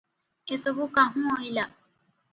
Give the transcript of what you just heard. ଏ ସବୁ କାହୁଁ ଅଇଲା?"